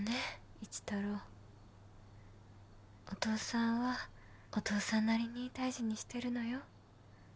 一太郎お父さんはお父さんなりに大事にしてるのよ